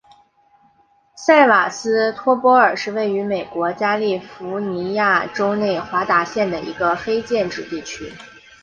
塞瓦斯托波尔是位于美国加利福尼亚州内华达县的一个非建制地区。